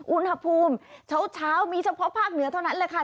อุณหภูมิเช้ามีเฉพาะภาคเหนือเท่านั้นแหละค่ะ